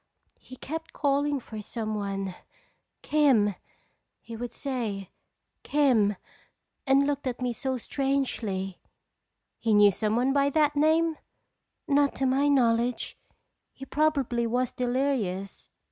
He kept calling for some one. 'Kim' he would say, 'Kim' and looked at me so strangely." "He knew some one by that name?" "Not to my knowledge. He probably was delirious."